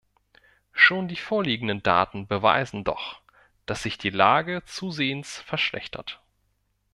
Schon die vorliegenden Daten beweisen doch, dass sich die Lage zusehends verschlechtert.